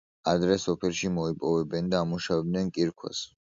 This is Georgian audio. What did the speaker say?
ადრე სოფელში მოიპოვებენ და ამუშავებდნენ კირქვას.